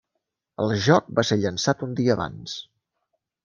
El joc va ser llançat un dia abans.